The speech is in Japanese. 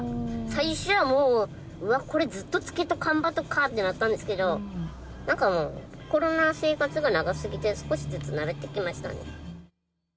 最初はもうこれずっと着けとかんばとかってなったんですけど何かもうコロナ生活が長すぎて少しずつ慣れてきましたね